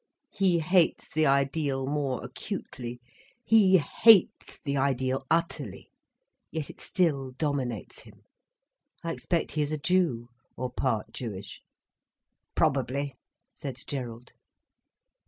He hates the ideal more acutely. He hates the ideal utterly, yet it still dominates him. I expect he is a Jew—or part Jewish." "Probably," said Gerald.